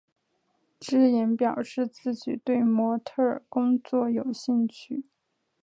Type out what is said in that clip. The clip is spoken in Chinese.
芝妍表示自己对模特儿工作有兴趣。